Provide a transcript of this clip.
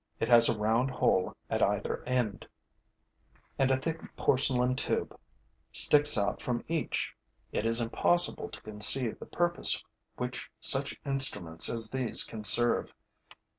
It has a round hole at either end; and a thick porcelain tube sticks out from each. It is impossible to conceive the purpose which such instruments as these can serve.